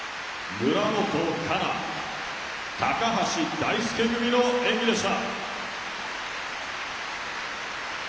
村元哉中高橋大輔組の演技でした。